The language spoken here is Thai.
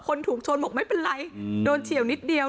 คนถูกชนบอกไม่เป็นไรโดนเฉียวนิดเดียว